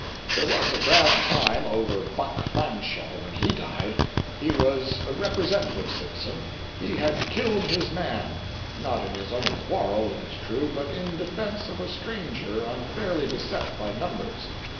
There was a grand time over Buck Fanshaw when he died. He was a representative citizen. He had "killed his man"—not in his own quarrel, it is true, but in defence of a stranger unfairly beset by numbers.